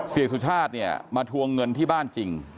สุชาติเนี่ยมาทวงเงินที่บ้านจริง